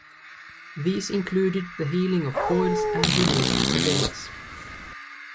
These included the healing of boils and relief of headaches.